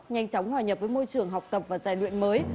nhanh chóng hòa nhập với môi trường học tập và giải luyện mới